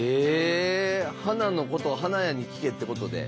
花のことは花屋に聞けってことで？